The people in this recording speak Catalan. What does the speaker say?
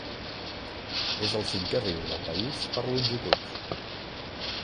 És el cinquè riu del país per longitud.